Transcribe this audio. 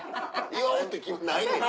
祝おうって気ないねん。